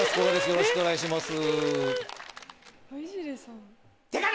よろしくお願いします。